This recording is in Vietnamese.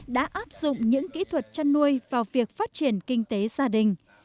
đã áp dụng những kỹ thuật chăn nuôi vào việc phát triển kinh tế gia đình